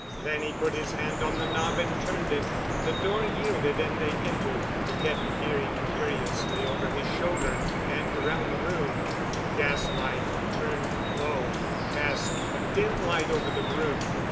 Then he put his hand on the knob and turned it. The door yielded and they entered, Piquette peering curiously over his shoulder, and around the room. The gas light, turned low, cast a dim light over the room.